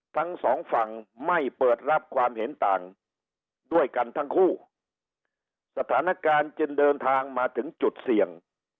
ทั้งสองฝั่งไม่เปิดรับความเห็นต่างด้วยกันทั้งคู่สถานการณ์จึงเดินทางมาถึงจุดเสี่ยง